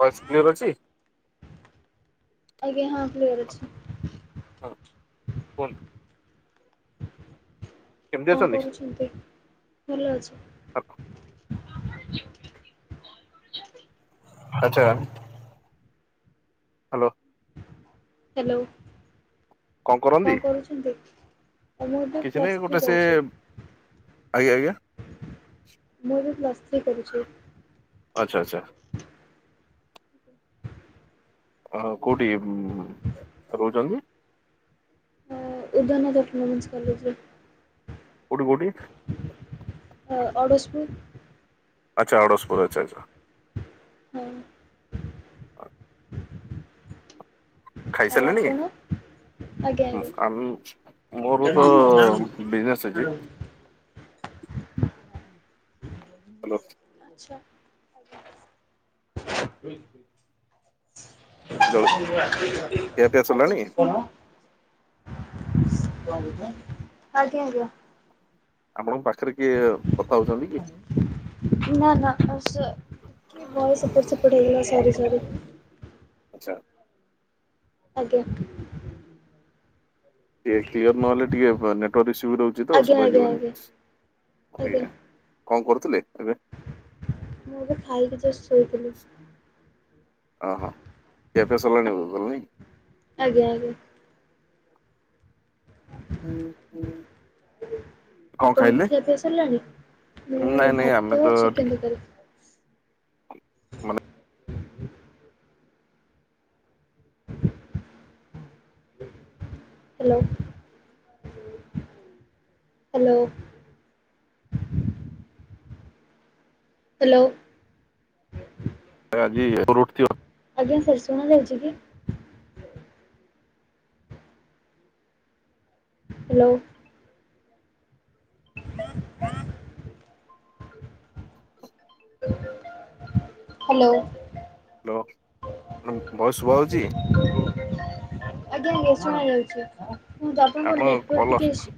କଣ ସ୍ପିନର୍ ଅଛି। ଆଜ୍ଞା ହଁ [unintelligible] ଅଛି। [unintelligible] କେମିତି କଣ ଅଛନ୍ତି? କରୁଛନ୍ତି ଭଲ ଅଛି। ଆଚ୍ଛା। ହ୍ୟାଲୋ। ହ୍ୟାଲୋ କଣ କରୁଛନ୍ତି। କିଛି ନାହିଁ ଗୋଟେ ସେ ଆଜ୍ଞା ଆଜ୍ଞା। ମୁଁ ଏବେ ପ୍ଲସ୍ ଥ୍ରୀ କରୁଛି। ଆଚ୍ଛା ଆଚ୍ଛା। ହଁ କୋଉଠି ରହୁଛନ୍ତି? ଉଦାନ [unintelligible] କଲେଜ ରେ କୋଉଠି କୋଉଠି? ଅଡ୍ସପୁର୍। ଆଚ୍ଛା ଅଡ଼ସପୁର୍ ଆଚ୍ଛା ଆଚ୍ଛା। ଆଉ ଆପଣ। ଆ ମୋର ତ ବିଜନେସ୍ ଅଛି। [inaudible] ହ୍ୟାଲୋ। [inaudible] [unintelligible] ଆଜ୍ଞା ଜଳ ଖିଆ ପିଆ ସରିଲାଣି? ଆଜ୍ଞା। ସେଟି କିଏ କଥା ହଉଛନ୍ତି କି। ନା ନା ଆ ସେ ଟିକେ ଭଏସ୍ ଏପଟ ସେପଟ ହେଇଗଲା ସରି ସରି। ଆଚ୍ଛା ଆଜ୍ଞା। ଟିକେ କ୍ଲିୟର ନହେଲେ ଟିକେ ନେଟୱାର୍କ ଇସୂ ବି ରହୁଛି ତ ଶୁଭାଯିବନି। ଆଜ୍ଞ। କଣ କରୁଥିଲେ। ଏବେ? ମୁଁ ଏବେ ଖାଇକି ଜଷ୍ଟ ଶୋଇଥିଲି। ଅ ହୋ ଖିଆ ପିଆ ସରିଲାଣି ବୋଧେ ତାଲେ ନାଇଁ। ଆଜ୍ଞା ଆଜ୍ଞା। ହୁ ହୁ। ଆପଣଙ୍କ ଖିଆ ପିଆ ସରିଲାଣି ମୁଁ ନାଇଁ ନାଇଁ ଆମେ ଭାତ ତ ଟିକେ ଚିକେନ ତକାରି। ମାନେ [inaudible] ହେଲୋ। ହାଲୋ। ହା ଲୋ। ଆଜି ରୁ ଟଥିବ। ଆଜ୍ଞା ସାର୍ ଶୁଣା ଯାଉଛି କି। Hello. [inaudible] Hello. Hello madam voice ଶୁଭା ଯାଉଛି। ଶୁଣା ଯାଉଛି କିନ୍ତୁ ଆପଣଙ୍କର ନେଟୱର୍କ୍ କଲ ଟିକ ଇସୁ।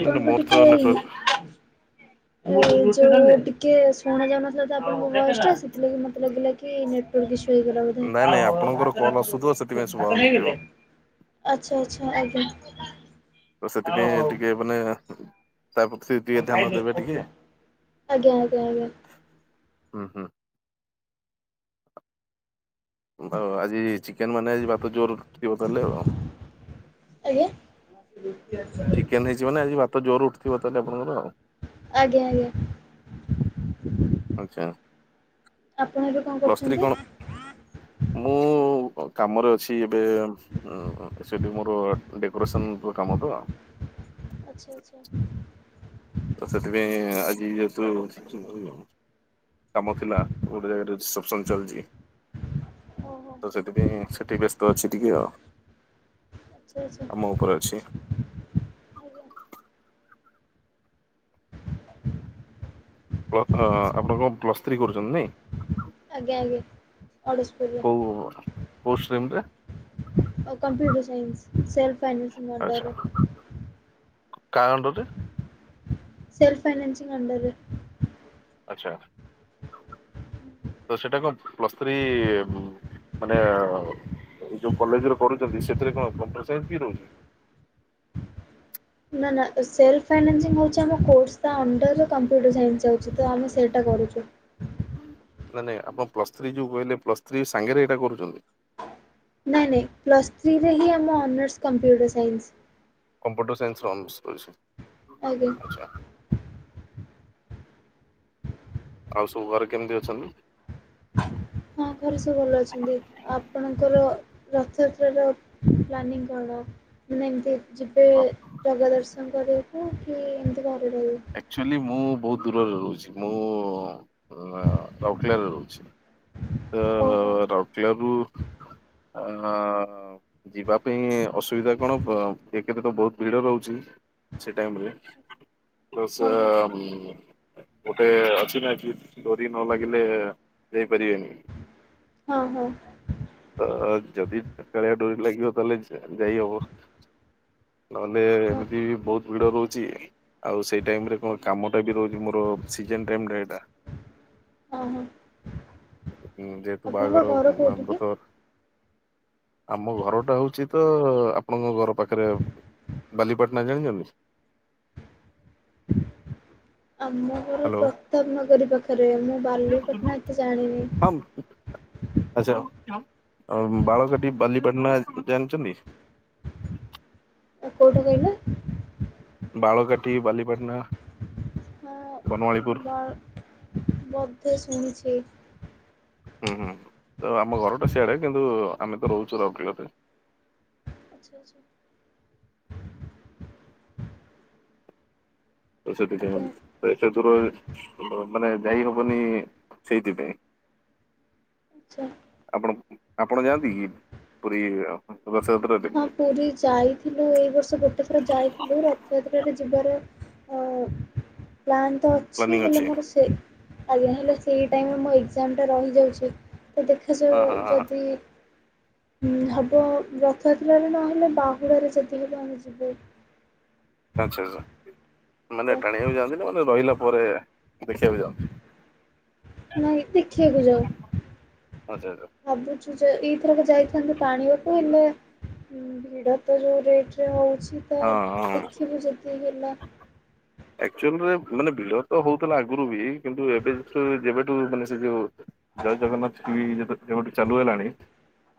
ନାଇଁ ନାଇଁ ମୋର ତ ଟିକେ ଇଏ। ନେଟୱାର୍କ ଇଏ ଯୋଉ ଟିକେ ଶୁଣା ଯାଉ ନଥିଲା ତ ଆପଣଙ୍କ ଭଏସ ଟା ସେଥିଲାଗି ମତେ ଲିଗିଲା କି ନେଟୱାର୍କ ଇଶୁ। ହେଇଥିଲା ବୋଧେ। ନାଇଁ ନାଇଁ ଆପଣଙ୍କର କଲ୍ ଆସୁଥିବ ସେଥିପାଇଁ ଶୁଭା ହଉନଥିବ। ଆଛା ଆଛା! ଆଜ୍ଞା। ତ ସେଥିପାଇଁ ଟିକେ ମାନେ। ତା ପ୍ରତି ଟିକେ ଧ୍ୟାନ ଆଜ୍ଞା ଦେବେ ଟିକେ ଆଜ୍ଞା ଆଜ୍ଞା। ହୁଁ ହୁଁ। ଆଉ ଆଜି ଚିକେନ ମାନେ ଆଜି ଭାତ ଜୋର ଉଠୀ ଥିବ ତାହେଲେ ଆଉ। ଚିକେନ ହେଇଚି ମାନେ ଆଜି ଭାତ ଜୋର ଉଠି ଥିବ ତାହଲେ ଆପଣଙ୍କର ଆଉ। ଆଚ୍ଛା। ପ୍ଲସ୍ ଥ୍ରୀ କଣ ମୁଁ! କାମରେ ଅଛି ଏବେ ଉଁ ସେଠି ମୋର ଡେକୋରେସନ ର କାମ ତ। ଆଛା ଆଛା। ତ ସେଥିପାଇଁ ଆଜି ଯେହେତୁ କାମ ଥିଲା ଗୋଟେ ଜାଗାରେ। ରେସେପସନ ଚାଲିଛି। ତ ସେଥିପାଇଁ ସେଠି ବ୍ୟସ୍ତ ଅଛି ଟିକେ ଆଉ। ଆଛା ଆଛା କାମ ଉପରେ ଅଛି ଆଜ୍ଞା। ପ୍ଲ - ହଁ -ହଁ ଆପଣ କଣ ପ୍ଲସ୍ ଥ୍ରୀ କରୁଛନ୍ତି ନାଇଁ। ଆଜ୍ଞା ଆଜ୍ଞା ଅଡଶପୁରରେ। କୋଉ କୋଉ ଷ୍ଟ୍ରିମ୍ ରେ computer science self financing under ରେ। କା ଅଣ୍ଡର ରେ। ସେଲଫ ଫାଇନାନ୍ସିଂ ଅଣ୍ଡର ରେ। ଆଛା। ତ ସେଇଟା କଣ ପ୍ଲସ୍ ଥ୍ରୀ ମାନେ। ଏ ଯୋଉ କଲେଜରେ କରୁଛନ୍ତି ସେଥିରେ କଣ କମ୍ପୁଟର ସାଇନ୍ସ ବି ରହୁଛି। ନା ନା ସେଲ୍ପ ଫାଇନାନ୍ସିଙ୍ଗ ହଉଛି ଆମ କୋର୍ସ। ତା ଅଣ୍ଡର ରେ କମ୍ପ୍ୟୁଟର ସାଇନ୍ସ ଯାଉଛି ତ ଆମେ ସେଇଟା କରୁଛୁ। ନାଇଁ ନାଇଁ ଆପଣ ପ୍ଲସ୍ ଥ୍ରୀ ଯୋଉ କହିଲେ ପ୍ଲସ୍ ଥ୍ରୀ ସାଙ୍ଗରେ ଏଇଟା କରୁଛନ୍ତି? ନାଇଁ ନାଇଁ ପ୍ଲସ୍ ଥ୍ରୀରେ ହିଁ ଆମ ଅନର୍ସ କମ୍ପ୍ୟୁଟର ସାଇନ୍ସ। କମ୍ପ୍ୟୁଟର ସାଇନ୍ସର ଅନର୍ସ ରହିଛି। ଆଜ୍ଞା। ଆଉ ସବୁ ଘରେ କେମିତି ଅଛନ୍ତି? ହଁ ଘରେ ସବୁ ଭଲ ଅଛନ୍ତି, ଆପଣଙ୍କର ରଥଯାତ୍ରାର ପ୍ଲାନିଙ୍ଗ୍ କଣ ମାନେ ଏମିତି ଯିବେ ଜଗା ଦର୍ଶନ୍ କରିବାକୁ କି ଏମିତି ଘର୍ ଆକ୍ଚୁଆଲି ମୁଁ ବହୁତ଼୍ ଦୂରରେ ରହୁଛି, ମୁଁ ରାଉକେଲାରେ ରହୁଛି। ତ ରାଉରକେଲାରୁ ଆଁ-ଆଁ-ଆଁ ଯିବା ପାଇଁ ଅସୁବିଧା କଣ ଏକରେ ତ ବହୁତ ଭିଡ ରହୁଛି ସେ ଟାଇମରେ, ତ ସେ ଉଁ-ଉଁ-ଉଁ ଗୋଟେ ଅଛି ନା, କି ଡୋରି ନ ଲାଗିଲେ ଯାଇପାରିବେନି। ହଁ- ହଁ। ତ ଯଦି କା କାଳିଆ ଡୋରି ଲାଗିବ ତାହେଲେ ଯା ଯାଇ ହବ। ନହେଲେ ଏମିତି ବହୁତ ଭିଡ ରହୁଛି ଆଉ ସେଇ ଟାଇମରେ କଣ କାମଟା ବି ରହୁଛି ମୋର ସିଜନ୍ ଟାଇମଟା ଏଇଟା। ଉଁ ଯେହେତୁ ବାହାଘର ଆଉ ବ୍ରତ ଆମ ଘରଟା ହଉଛି ତ ଆପଣଙ୍କ ଘର ପାଖରେ ବାଲିପାଟଣା ଜାଣିିଛନ୍ତି? ଆମ ଘର ହ୍ୟାଲୋ। ପ୍ରତାପନଗରୀ ପାଖରେ ମୁଁ ବାଲିପାଟଣା ଏତେ ଜାଣିନି। ଆଚ୍ଛା। ଆଉ ବାଳକାଟି, ବାଲିପାଟଣା ଜାଣିଛନ୍ତି? ଆ କୋଉଠି କହିଲେ? ବାଳକାଟି, ବାଲିପାଟଣା? ହଁ ବନମାଳିପୁର ବା ବୋଧେ ଶୁଣିଛି। ହୁଁ-ହୁଁ-ହୁଁ, ତ ଆମ ଘରଟା ସେଆଡେ କିନ୍ତୁ ଆମେ ତ ରହୁଛୁ ରାଉରକେଲାରେ। ଆଚ୍ଛା-ଆଚ୍ଛା। ସେଥିପାଇଁ ଏତେ ଦୂର [inaudible] ମାନେ ଯାଇ ହବନି ସେଇଥିପାଇଁ। ଆପଣ, ଆପଣ ଯାଆନ୍ତି କି ପୁରୀ? ରଥଯାତ୍ରାରେ ହଁ ପୁରୀ ଯାଇଥିଲୁ ଏଇ ବର୍ଷ ଗୋଟେ ଥର ଯାଇଥିଲୁ ରଥଯାତ୍ରାରେ ଯିବାର ଅ-ଅ ପ୍ଲାନ୍ ତ ଅଛି ହେଲେ ମୋର ସେ ଆଜ୍ଞା, ହେଲେ ସେଇ ଟାଇମ ମୋ ଏକ୍ଜାମଟା ରହିଯାଉଛି। ହଁ ଦେଖାଯାଉ ହଁ ହଁ ଯଦି ହବ ର ରଥଯାତ୍ରାରେ ନହେଲେ ବାହୁଡାରେ ଯଦି ହେବ ଆମେ ଯିବେ‌। ଆଚ୍ଛା-ଆଛା, ମାନେ ଟାଣିବାକୁ ଯାଆନ୍ତି ନା ମାନେ ରହିଲା ପରେ ଦେଖିବାକୁ ଯାଆନ୍ତି। ନାଇଁ ଦେଖିବାକୁ ଯାଉ, ଆଚ୍ଛା ଆଚ୍ଛା ଭାବୁଛୁ ଯେ ଏଇଥରକ ଯାଇଥାନ୍ତୁ ଟାଣିବାକୁ ହେଲେ ଭିଡ ତ ଯୋଉ ରେଟରେ ହଉଛି। ତ ହଁ ହଁ। ଦେଖିବୁ ଯଦି ହେଲା। ଆକ୍ଚୁଆଲରେ ମାନେ ଭିଡ ତ ହଉଥିଲା ଆଗରୁ ବି, କିନ୍ତୁ ଏବେ [inaudible] ଯେବେଠୁ ମାନେ ସେ ଯୋଉ ଜୟ ଜଗନ୍ନାଥ ଟିଭି ଯେ ଯେବେଠୁ ଚାଲୁ ହେଲାଣି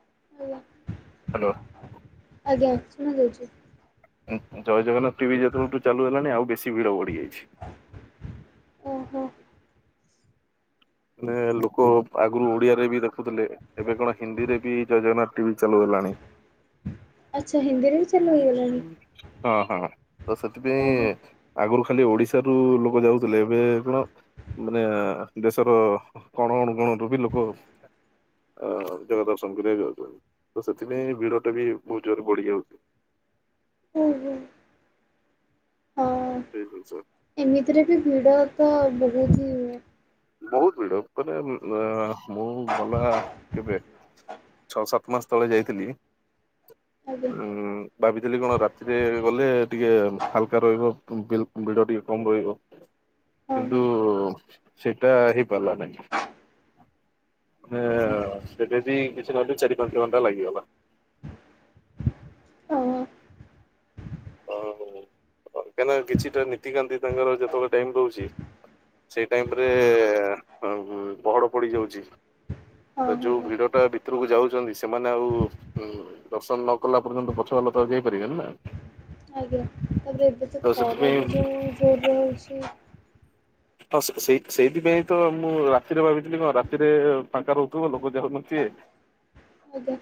ଆଜ୍ଞା, ହ୍ୟାଲୋ ଆଜ୍ଞା ଶୁଣା ଯାଉଛି। ଉଁ ଜୟ ଜଗନ୍ନାଥ ଟିଭି ଯେତେବେଳେଠୁ ଚାଲୁ ହେଲାଣି ଆଉ ବେଶୀ ଭିଡ ବଢି ଯାଇଛି। ମାନେ ଲୋକ ଆଗରୁ ଓଡିଆରେ ବି ଦେଖୁଥିଲେ ଏବେ କଣ ହିନ୍ଦୀରେ ବି ଜୟ ଜଗନ୍ନାଥ ଟିଭି। ଚାଲୁହେଲାଣି। ହଁ-ହଁ ତ ସେଥିପାଇଁ ଆଗରୁ ଖାଲି ଓଡିଶାରୁ ଲୋକ ଯାଉଥିଲେ ଏବେ କଣ ମାନେ ବେଶ୍ ର କଣ ଅନୁକୋଣରୁ ବି ଲୋକ ଅ ଜାଗା ଦର୍ଶନ କରିବାକୁ ଯାଉଚନ୍ତି ତ ସେଥିପାଇଁ ଭିଡଟା ବି ବୋହୁତ ଜାଗାରେ ବଢିଯାଉଚି। ଓହୋ। ଠିକ କହିଛ। ଏମିତିରେ ବି ଭିଡ଼ ତ ବୋହୁତ ହି [unintelligible] ବୋହୁତ ଭିଡ ମାନେ ଉଁ-ଆଁ-ମୁଁ ଗଲା କେବେ ଛଅ ସାତ ମାସ୍ ତଳେ ଯାଇଥିଲି ଉଁ ଭାବିଥିଲି କଣ ରାତିରେ ଗଲେ ଟିକେ ହାଲକା ରହିବ ଭି-ଭିଡ ଟିକେ କମ ରହିବ। କିନ୍ତୁ ସେଇଟା ହେଇପାରିଲା ନାହିଁ। ମାନେ ସେଟା ଦି କିଛି ନହେଲେ ଚାରି ପାଞ୍ଚ ଘଣ୍ଟା ଲାଗିଗଲା। ଆଉ ଆଉ କାହିଁକିନା କିଛିଟା ନୀତିକାନ୍ତି ତାଙ୍କର ଯେତେବେଳେ ଟାଇମ ରହୁଚି ସେଇ ଟାଇମରେ ଆ-ପହଡ ପଡିଯାଉଚି। ତ ଯୋଉ ଭିଡଟା ଭିତରକୁ ଯାଉଚନ୍ତି ସ୍ ମାନେ ଆଉ ଉଁ-ଦର୍ଶନ ନ କଲା ପର୍ଯ୍ୟନ୍ତ ପଛୁଆ ଲୋକ ଆଉ ଯାଇପାରିବେନି ନା। ଆଜ୍ଞା ତାପରେ ଏବେ ତ ଖରା ବି ଯୋଉ ଜୋରରେ ହୋଉଛି। ହଁ ସେ-ସେଇ-ସେଇଥିପାଇଁ ତ ମୁଁ ରାତିରେ ଭାବିଥିଲି କଣ ରାତିରେ ଫାଙ୍କା ରହୁଥୁବ ଲୋକ ଯାଉନଥି ଇଏ ଆଜ୍ଞା।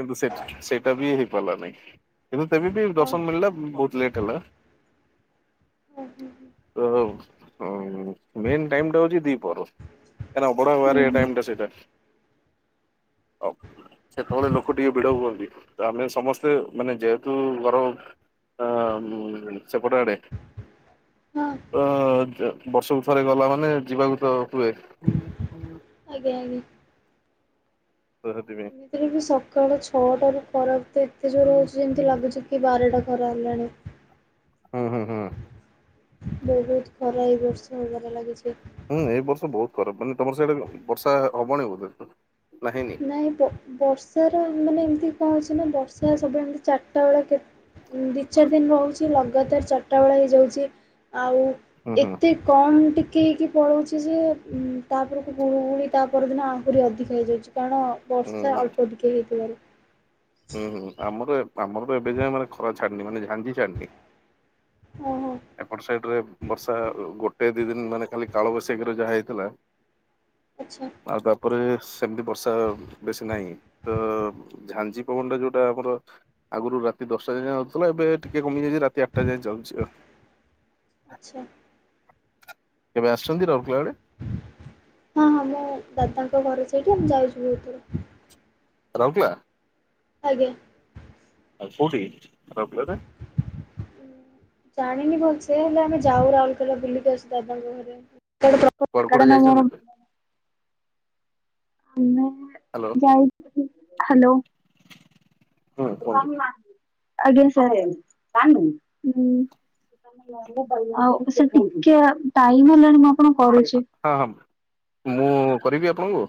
କିନ୍ତୁ ସେଟ୍ ସେଇଟା ବି ହେଇପାରିଲା ନାହିଁ। ଏବେ ପେବେ ବି ଦର୍ଶନ ମିଳିଲା ବୋହୁତ ଲେଟ ହେଲା। ତ ଅଁ ମେନ ଟାଇମଟା ହୋଉଚି ଦିପହର। କାଇଁନା ଅଭଡା ହବାର ଏଇ ଟାଇମଟା ସେଇଟା। ଆଉ ସେତବେଳେ ଲୋକ ଟିକେ ଭିଡ ହୁଅନ୍ତି ତ ଆମେ ସମସ୍ତେ ମାନେ ଯେହେତୁ ଘର ଟା ସେପଟ ଆଡେ ତ ତ-ବର୍ଷକୁ ଥରେ ଗଲା ମାନେ ଯିବାକୁ ତ ହୁଏ। ଆଜ୍ଞା ଆଜ୍ଞା। ତ ସେଥିପାଇଁ ଏମିତିରେ ବି ସକାଳ ଛଅଟାରୁ ଖରା ବି ତ ଏତେ ଜୋରେ ହୁଁ ହୋଉଚି ଯେମତି ଲାଗୁଚି କି ବାରଟା ଖରା ହେଲାଣି। ହୁଁ ହୁଁ ହୁଁ। ବୋହୁତ ଖରା ଏ ବର୍ଷ ହବାରେ ଲାଗିଛି। ହୁଁ ଏଇ ବର୍ଷ ବୋହୁତ ଖରାପ ମାନେ ତମର ସ୍ୟାଡେ ବର୍ଷା ହବଣି ବୋଧ? ନାଇଁ ବ-ବର୍ଷାର ମାନେ ଏମତି କଣ ଅଛି ନା ବର୍ଷା ସବୁ ଏମତି ଚାରିଟା ବେଳେକେ ଉଁ ଦି ଚାର ଦିନ ରହୁଚି ଲଗାତାର ଚାରଟା ବେଳ ହେଇଯାଉଚି। ଆଉ ହୁଁ ହୁଁ ଏତେ କମ୍ ଟି କି ହେଇକି ପଳୋଉଚି ଯେ ଉଁ-ତାପରକୁ ଗୁଳୁ ଗୁଳି ତା ପରଦିନ ଆୁହରି ଅଧିକା ହେଇଯାଉଚି। କାରଣ ବର୍ଷା ହୁଁ ଅଳ୍ପ ଟିକେ ହେଇଥିବାରୁ। ହୁଁ ହୁଁ ଆମର ଏ-ଆମର ବି ଏବେ ଯାଏଁ ମାନେ ଖରା ଛାଡନି ମାନେ ଝାଞ୍ଜି ଛାଡନି। ଏପଟ ସାଇଡରେ ବର୍ଷା ଅ-ଗୋଟେ ଦି ଦିନ ମାନେ ଖାଲି କାଳବୈଶାଖିରେ ଯାହା ହେଇଥିଲା ଆଉ ତାପରେ ସେମତି ବର୍ଷା ବେଶୀ ନାହିଁ ତ ଝାଞ୍ଜି ପବନଟା ଯୋଉଟା ଆମର ଆଗରୁ ରାତି ଦଶଟା ଯାଇଁକା ହୋଉଥିଲା ଏବେ ଟିକେ କମି ଯାଇଚି ରାତି ଆଟଟା ଯାଏଁ ଚାଲୁଚି ଆଉ। ଆଚ୍ଛା। କେବେ ଆସଛନ୍ତି ରାଉରକେଲା ଆଡେ? ହଁ ହଁ ମୋ ଦାଦାଙ୍କ ଘରେ ସେଇଠି ଆମେ ଯାଇଚୁ ବୋହୁତ ଥର। ରାଉରକେଲା? ଆ୍ଞା। ଆଉ କୋଉଠିକି [unintelligible] ଜାଣିନି ଭଲସେ ହେଲେ ଆମେ ଯାଉ ରାଉରକେଲା ବୁଲିକି ଆସୁ ଦାଦାଙ୍କ ଘରେ ଏଟା ଗୋଟେ ପ୍ର କୁଆଡେ ଫାଙ୍କା କୁଆଡେ ଟା ନା କଣ? ଯାଇଛନ୍ତି? ହୁ ନା ହ୍ୟାଲୋ। ହ୍ୟାଲୋ। ହୁଁ କୁହନ୍ତୁ ଆଜ୍ଞା ସାର୍ ହୁଁ ଆଉ ସାର୍ ଟିକେ ଟାଇମ୍ ହେଲାଣି ଆପଣଙ୍କୁ କରୁଛି। ହଁ ହଁ ମୁଁ କରିବି ଆପଣଙ୍କୁ?